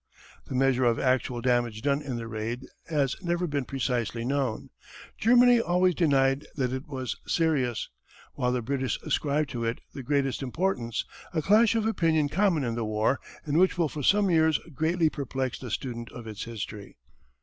The measure of actual damage done in the raid has never been precisely known. Germany always denied that it was serious, while the British ascribe to it the greatest importance a clash of opinion common in the war and which will for some years greatly perplex the student of its history.